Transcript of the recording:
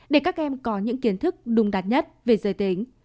để các em có những kiến thức đúng đắn nhất về giới tính